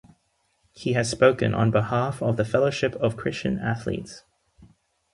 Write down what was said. He has spoken on behalf of the Fellowship of Christian Athletes.